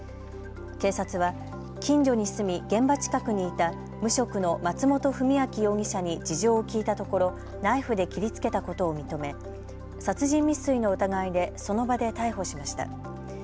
警察は近所に住み現場近くにいた無職の松本文明容疑者に事情を聞いたところナイフで切りつけたことを認め殺人未遂の疑いでその場で逮捕しました。